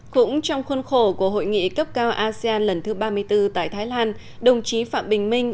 cũng trong khuôn khổ của hội nghị cấp cao asean lần thứ ba mươi bốn tại thái lan đồng chí phạm bình minh